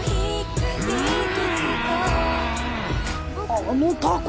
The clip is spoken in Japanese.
あのタコ。